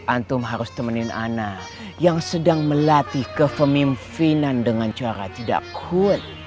antum harus temenin ana yang sedang melatih ke pemimpinan dengan cara tidak cool